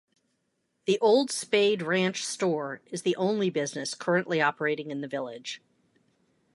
The Old Spade Ranch Store is the only business currently operating in the village.